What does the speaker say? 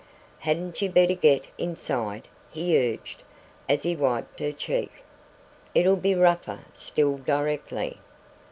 "Hadn't you better get inside?" he urged, as he wiped her cheek. "It'll be rougher still directly."